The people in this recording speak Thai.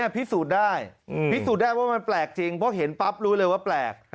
พิสูจน์ได้พิสูจน์ได้ว่ามันแปลกจริงเพราะเห็นปั๊บรู้เลยว่าแปลก